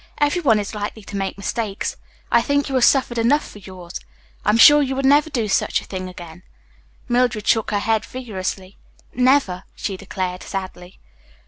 "Everyone is likely to make mistakes. I think you have suffered enough for yours. I am sure you would never do any such thing again." Mildred shook her head vigorously. "Never," she declared sadly.